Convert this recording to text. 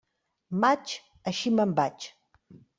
Maig, així me'n vaig.